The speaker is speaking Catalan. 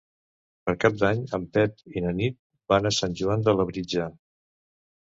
Per Cap d'Any en Pep i na Nit van a Sant Joan de Labritja.